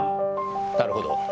なるほど。